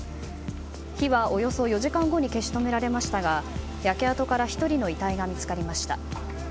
火は、およそ４時間後に消し止められましたが焼け跡から１人の遺体が見つかりました。